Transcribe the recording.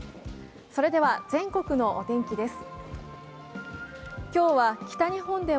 それでは全国のお天気です。